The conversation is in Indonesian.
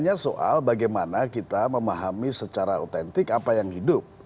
ini kan soal bagaimana kita memahami secara autentik apa yang hidup